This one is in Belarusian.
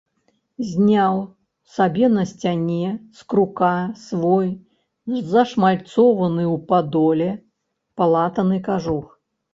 Зняў сабе на сцяне з крука свой зашмальцованы ў падоле палатаны кажух.